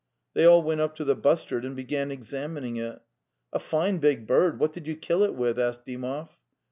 They all went up to the bustard and began exam ining it. '"A fine big bird; what did you kill it with?" asked Dymov.